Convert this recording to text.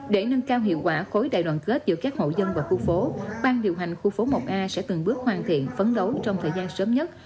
để nâng cao hiệu quả khối đại đoàn kết giữa các hộ dân và khu phố ban điều hành khu phố một a sẽ từng bước hoàn thiện phấn đấu trong thời gian sớm nhất